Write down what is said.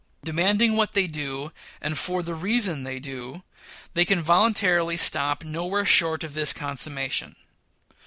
Demanding what they do, and for the reason they do, they can voluntarily stop nowhere short of this consummation.